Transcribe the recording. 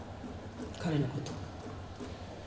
彼のこと。